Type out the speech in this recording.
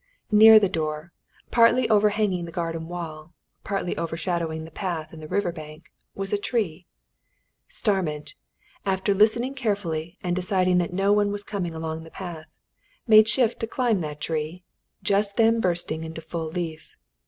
Near the door, partly overhanging the garden wall, partly overshadowing the path and the river bank, was a tree: Starmidge, after listening carefully and deciding that no one was coming along the path, made shift to climb that tree, just then bursting into full leaf.